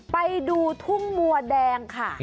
ไปดูทุ่งบัวแดงค่ะ